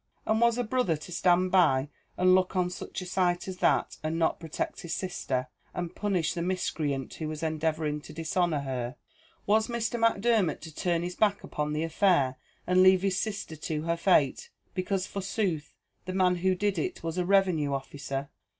And was a brother to stand by and look on at such a sight as that, and not protect his sister, and punish the miscreant who was endeavouring to dishonour her? Was Mr. Macdermot to turn his back upon the affair, and leave his sister to her fate because, forsooth, the man who did it was a Revenue officer?